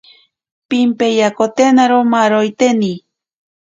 Pimpeyakotenaro maaroiteni.